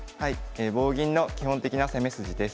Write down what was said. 「棒銀の基本的な攻め筋」です。